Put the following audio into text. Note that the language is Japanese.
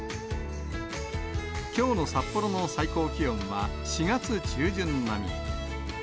きょうの札幌の最高気温は、４月中旬並み。